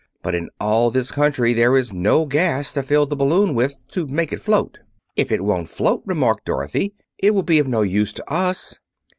But in all this country there is no gas to fill the balloon with, to make it float." "If it won't float," remarked Dorothy, "it will be of no use to us."